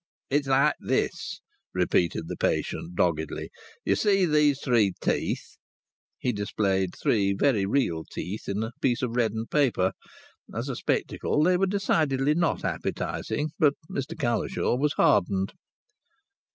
"It's like this," repeated the patient, doggedly. "You see these three teeth?" He displayed three very real teeth in a piece of reddened paper. As a spectacle, they were decidedly not appetizing, but Mr Cowlishaw was hardened.